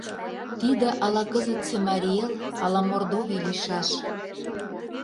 Тиде ала кызытсе Марий Эл, ала Мордовий лийшаш.